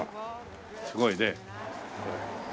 すごいね。